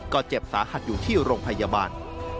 ก็เจ็บสาหัสอยู่ที่โรงพยาบาล